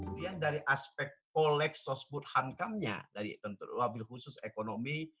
kemudian dari aspek kolek sosbud hankamnya dari tentu wabil khusus ekonomi